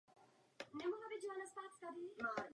V obou případech se nakonec ke studiu vrátil.